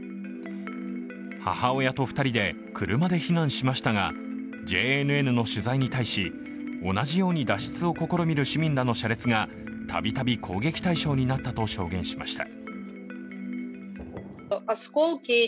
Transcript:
母親と２人で車で避難しましたがＪＮＮの取材に対し同じように脱出を試みる市民らの車列がたびたび攻撃対象になったと証言しました。